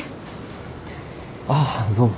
ああどうも。